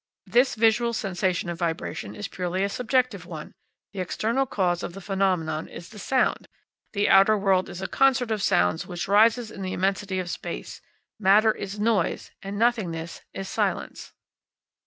This visual sensation of vibration is a purely subjective one, the external cause of the phenomenon is the sound. The outer world is a concert of sounds which rises in the immensity of space. Matter is noise and nothingness is silence."